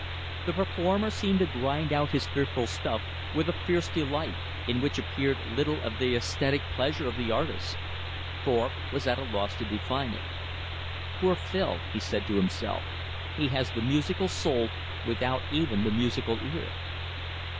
The performer seemed to grind out his fearful stuff with a fierce delight, in which appeared little of the esthetic pleasure of the artist. Thorpe was at a loss to define it. "Poor Phil," he said to himself. "He has the musical soul without even the musical ear!"